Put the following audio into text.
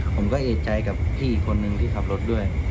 ผมก็เอเจยกับพี่คนหนึ่งที่ขับรถด้วย